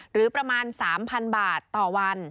หรือประมาณ๓๐๐๐บาทต่อวัน